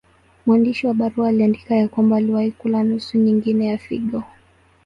Mwandishi wa barua aliandika ya kwamba aliwahi kula nusu nyingine ya figo.